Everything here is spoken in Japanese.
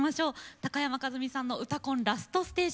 高山一実さんの「うたコン」ラストステージ